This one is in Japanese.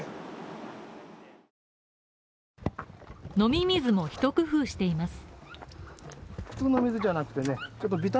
飲み水も一工夫しています。